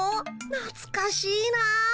なつかしいな。